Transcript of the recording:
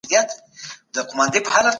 د روژې نیولو تمرین ورته ورکړئ.